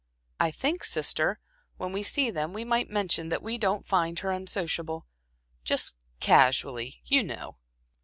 I think, sister, when we see them we might mention that we don't find her unsociable just casually, you know.